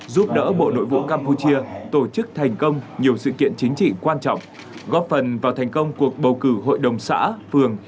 giúp đỡ bộ nội vụ campuchia tổ chức thành công nhiều sự kiện chính trị quan trọng góp phần vào thành công cuộc bầu cử hội đồng xã phường